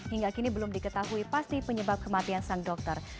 hingga kini belum diketahui pasti penyebab kematian sang dokter